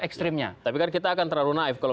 ekstrimnya tapi kan kita akan terlalu naif kalau